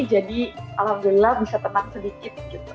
jadi alhamdulillah bisa tenang sedikit gitu